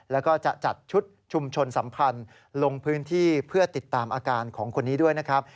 แล้วก็จะจัดชุดชุมชนสัมพันธ์ลงพื้นที่เพื่อติดตามอาการของคนนี้ด้วยนะครับ